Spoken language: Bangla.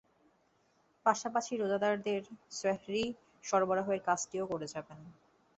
পাশাপাশি রোজাদারদের সাহ্রি সরবরাহের কাজটিও করে যাবেন।